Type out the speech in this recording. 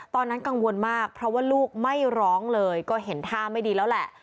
ตอนนั้นกังวลมากเพราะว่าลูกไม่ร้องเลยก็เห็นท่าไม่ดีแล้วแหละ